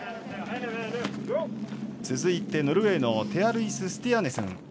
続いてノルウェーのテアルイス・スティヤーネスン。